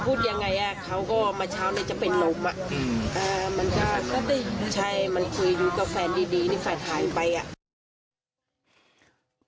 พูดยังไงเขาก็มาเช้าจะเป็นโรงมันก็คุยอยู่กับแฟนดีแฟนทางไป